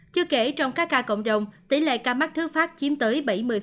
chưa kể trong các ca cộng đồng tỷ lệ ca mắc thứ phát chiếm tới bảy mươi